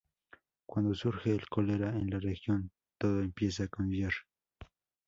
Cuando surge el cólera en la región, todo comienza a cambiar.